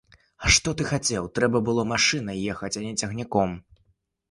А што ты хацеў, трэба было машынай ехаць, а не цягніком.